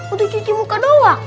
udah cuci muka doang